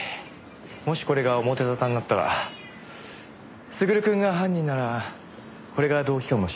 もしこれが表沙汰になったら優くんが犯人ならこれが動機かもしれませんね。